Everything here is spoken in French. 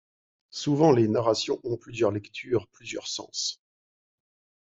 Souvent les narrations ont plusieurs lectures, plusieurs sens.